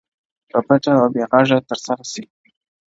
په پټه او بې غږه ترسره سي